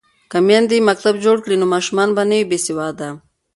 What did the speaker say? که میندې مکتب جوړ کړي نو ماشوم به نه وي بې سواده.